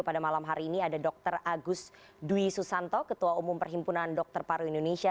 pada malam hari ini ada dr agus dwi susanto ketua umum perhimpunan dokter paru indonesia